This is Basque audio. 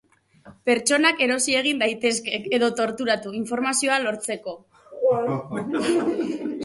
Pertsonak erosi egin daitezkek... edo torturatu, informazioa lortzeko...